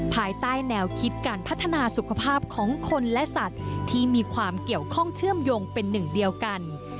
ภายใต้แนวคิดการพัฒนาสุขภาพของคนและสัตว์ที่มีความเกี่ยวข้องเชื่อมโยงเป็นหนึ่งเดียวกัน